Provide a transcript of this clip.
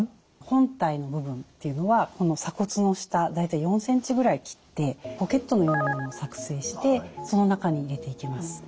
本体の部分っていうのはこの鎖骨の下大体４ｃｍぐらい切ってポケットのようなものを作成してその中に入れていきます。